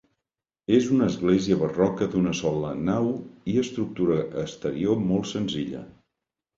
És una església barroca d'una sola nau i estructura exterior molt senzilla.